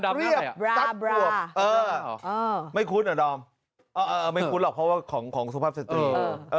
เรียบซัดเรียวไม่คุ้นอ่ะดอมไม่คุ้นหรอกเพราะว่าของสุภาพสตรี